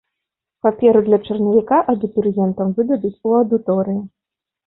Паперу для чарнавіка абітурыентам выдадуць у аўдыторыі.